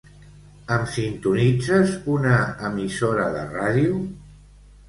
Em sintonitzes una emissora de ràdio?